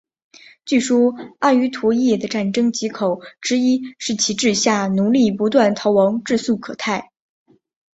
据说阿瑜陀耶的战争藉口之一是其治下奴隶不断逃亡至素可泰。